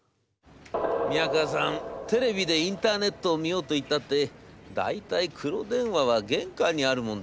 『宮河さんテレビでインターネットを見ようといったって大体黒電話は玄関にあるもんですよ。